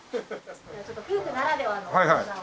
ちょっと夫婦ならではの技を。